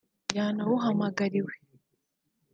yanawuhamagariwe